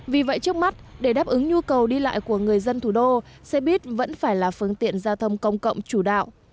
vì vậy trước mắt để đáp ứng nhu cầu đi lại của người dân thủ đô xe buýt vẫn phải là phương tiện giao thông công cộng chủ đạo